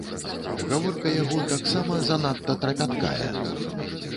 Гаворка яго таксама занадта трапяткая.